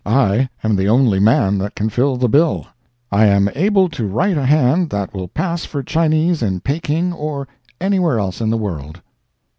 I am the only man that can fill the bill. I am able to write a hand that will pass for Chinese in Peking or anywhere else in the world.